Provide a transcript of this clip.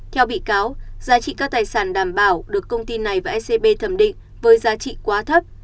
theo bị cáo giá trị các tài sản đảm bảo được công ty này và scb thẩm định với giá trị quá thấp